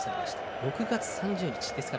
６月３０日でした。